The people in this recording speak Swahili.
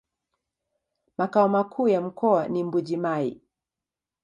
Makao makuu ya mkoa ni Mbuji-Mayi.